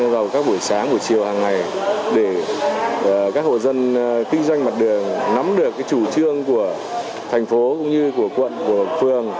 vào các buổi sáng buổi chiều hàng ngày để các hộ dân kinh doanh mặt đường nắm được chủ trương của thành phố cũng như của quận của phường